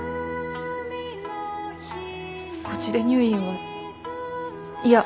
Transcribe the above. こっちで入院は嫌。